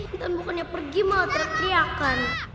intan bukannya pergi malah terteriak kan